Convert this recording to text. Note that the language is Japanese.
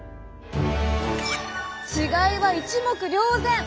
違いは一目瞭然！